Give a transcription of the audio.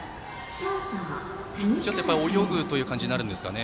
ちょっとやっぱり泳ぐという感じになるんですかね。